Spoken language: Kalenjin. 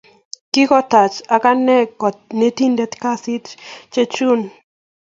Kigotaacha agane kanetindet kasit chechung